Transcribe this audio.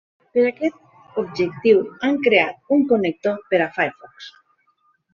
Per a aquest objectiu han creat un connector per a Firefox.